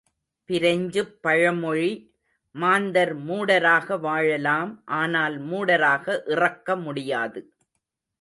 பிரெஞ்சுப் பழமொழி மாந்தர் மூடராக வாழலாம், ஆனால் மூடராக இறக்க முடியாது.